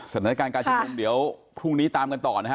สถานการณ์การชุมนุมเดี๋ยวพรุ่งนี้ตามกันต่อนะฮะ